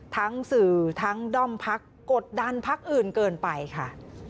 ทั้งสื่อทั้งด้อมพักกดดันพักอื่นเกินไปค่ะ